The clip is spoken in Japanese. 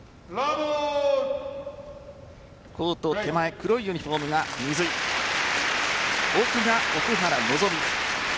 コート手前黒いユニホームが水井奥が奥原希望。